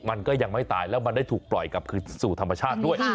มันก็ยังไม่ตายแล้วมันได้ถูกปล่อยกลับคืนสู่ธรรมชาติด้วย